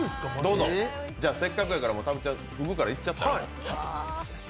じゃあ、せっかくやから、たぶっちゃん、ふぐからいっちゃえ。